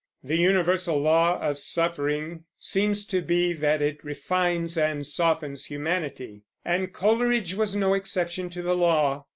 The universal law of suffering seems to be that it refines and softens humanity; and Coleridge was no exception to the law.